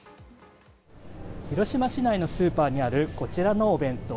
広島市内のスーパーにあるこちらのお弁当。